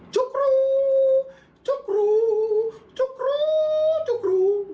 จุ๊กรูจุ๊กรูจุ๊กรูจุ๊กรู